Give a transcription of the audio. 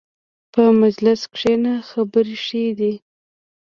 په مجلس کښېنه، خبرې ښې دي.